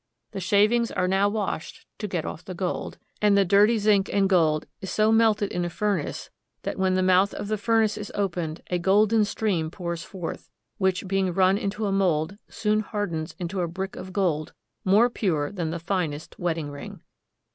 The shavings are now washed to get off the gold ; and the dirty zinc and gold is so melted in a furnace that when the mouth of the furnace is opened, a golden stream pours forth, which, being run into a mold, soon hardens into a brick of gold more pure than the finest wedding ring.